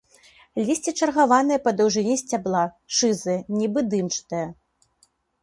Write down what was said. Лісце чаргаванае па даўжыні сцябла, шызае, нібы дымчатае.